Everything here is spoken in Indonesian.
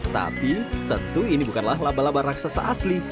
tapi tentu ini bukanlah laba laba raksasa asli